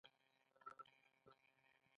مشران باید لارښوونه وکړي